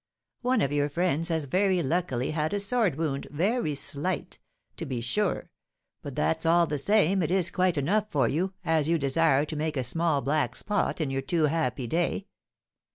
"One of your friends has very luckily had a sword wound, very slight, to be sure; but that's all the same, it is quite enough for you, as you desire to make a small black spot in your too happy day."